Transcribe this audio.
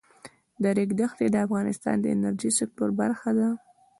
د ریګ دښتې د افغانستان د انرژۍ سکتور برخه ده.